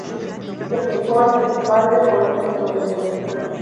Se quejó ante su padre por este problema.